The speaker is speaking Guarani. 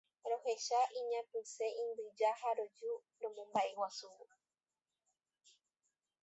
Rohecha iñapysẽ imbyja ha roju romombaʼeguasúvo.